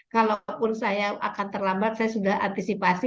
kalaupun saya akan terlambat saya sudah antisipasi